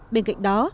bên cạnh đó